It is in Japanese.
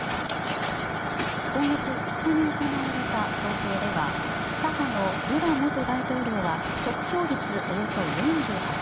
今月２日に行われた投票では左派のルラ元大統領は得票率およそ４８％